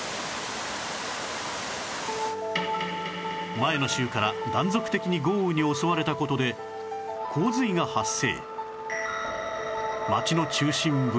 前の週から断続的に豪雨に襲われた事で洪水が発生